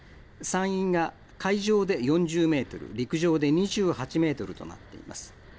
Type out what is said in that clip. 山陰が海上で４０メートル、陸上で２８メートルとなっています。